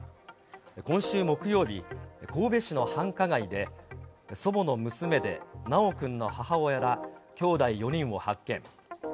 今週木曜日、神戸市の繁華街で、祖母の娘で、修くんの母親ら、きょうだい４人を発見。